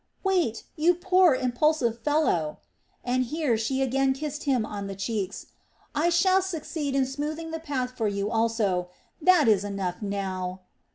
Wait, you poor, impulsive fellow!" and here she again kissed him on the cheeks "I shall succeed in smoothing the path for you also. That is enough now!"